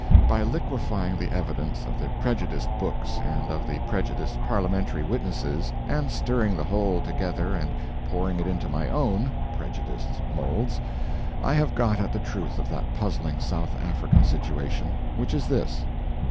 By liquifying the evidence of the prejudiced books and of the prejudiced parliamentary witnesses and stirring the whole together and pouring it into my own (prejudiced) moulds, I have got at the truth of that puzzling South African situation, which is this: 1.